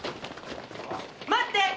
待って。